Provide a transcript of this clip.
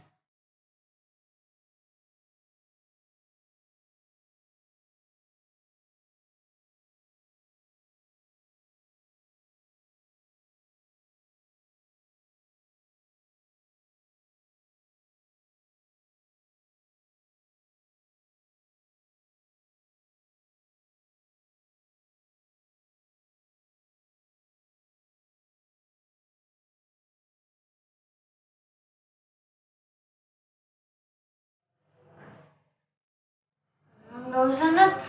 enggak usah nat